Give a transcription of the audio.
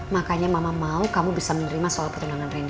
makanya mama mau kamu bisa menerima soal pertunangan randy dan meka